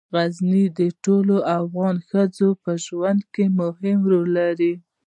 غزني د ټولو افغان ښځو په ژوند کې مهم رول لري.